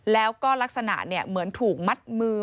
แล้วก็ลักษณะเหมือนถูกมัดมือ